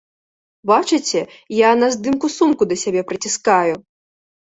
Бачыце, я на здымку сумку да сябе прыціскаю.